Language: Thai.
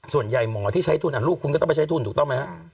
ส่วนใหญ่หมอที่ใช้ทุนอันลูกคุณก็ต้องไปใช้ทุนถูกต้องมั้ยฮะ